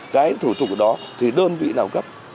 cái thủ tục đó thì đơn vị nào cấp